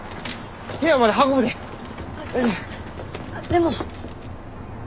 でも。